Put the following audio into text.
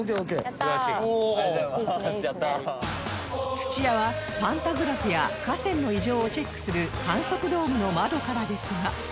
土屋はパンタグラフや架線の異常をチェックする観測ドームの窓からですが